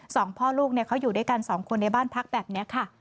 สองพ่อลูกเขาอยู่ด้วยกันสองคนในบ้านพักแบบนี้ค่ะ